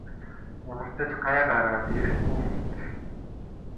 Ямар ч гай гараад ирэх юм бүү мэд.